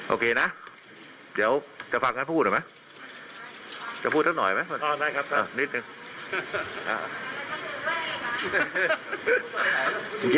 โอเคนะเดี๋ยวจะฟังการพูดหน่อยไหมก็พูดอีกหน่อยไหมอ่าได้ครับครับเอ้านิดนึง